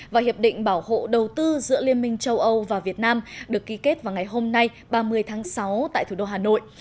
và hiệp định bảo hộ đầu tư giữa liên minh châu âu và việt nam được ký kết vào ngày hôm nay ba mươi tháng sáu tại thủ đô hà nội